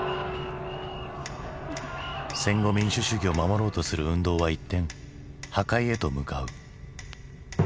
戦後民主主義を守ろうとする運動は一転破壊へと向かう。